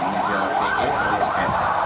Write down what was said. inisial ce alias s